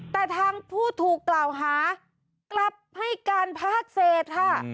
แต่ทางผู้ถูกกล่าวหากลับให้การภาคเศษค่ะ